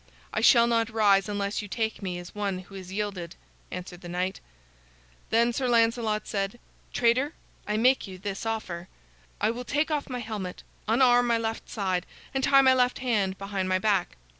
"I shall not rise unless you take me as one who has yielded," answered the knight. Then Sir Lancelot said: "Traitor, I make you this offer: I will take off my helmet, unarm my left side, and tie my left hand behind my back.